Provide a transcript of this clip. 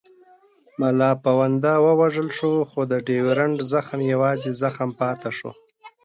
ملا پونده ووژل شو خو د ډیورنډ زخم یوازې زخم پاتې شو.